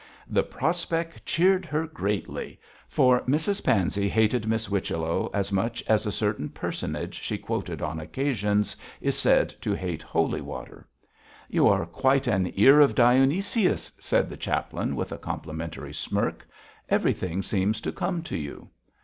The prospect cheered her greatly, for Mrs Pansey hated Miss Whichello as much as a certain personage she quoted on occasions is said to hate holy water. 'You are quite an Ear of Dionysius,' said the chaplain, with a complimentary smirk; 'everything seems to come to you.'